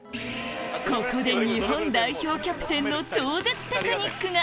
ここで日本代表キャプテンの超絶テクニックが！